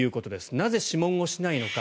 なぜ、諮問しないのか。